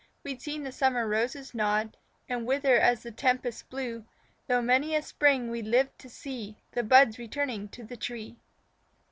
We'd seen the summer roses nod And wither as the tempests blew, Through many a spring we'd lived to see The buds returning to the tree.